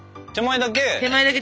手前だけ。